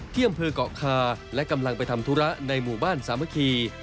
ที่อำเภอกเกาะคาและกำลังไปทำธุระในหมู่บ้านสามัคคี